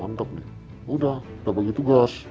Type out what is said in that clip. ganteng udah udah bagi tugas